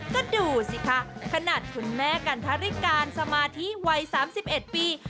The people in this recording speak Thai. ก็ดูสิคะขนาดคุณแม่กันทริการสมาธิวัย๓๑ปี